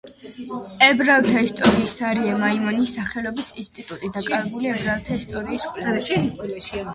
ებრაელთა ისტორიის არიე მაიმონის სახელობის ინსტიტუტი დაკავებულია ებრაელთა ისტორიის კვლევით.